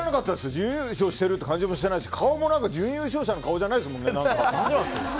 準優勝しているって知らないし顔も準優勝者の顔じゃないですよね。